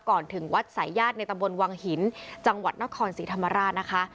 ถึงวัดสายญาติในตำบลวังหินจังหวัดนครศรีธรรมราชนะคะ